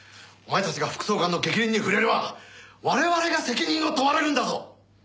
お前たちが副総監の逆鱗に触れれば我々が責任を問われるんだぞ！